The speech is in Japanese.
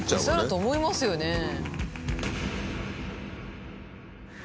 餌だと思いますよね。